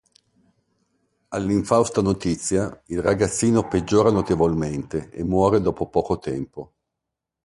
All'infausta notizia, il ragazzino peggiora notevolmente e muore dopo poco tempo.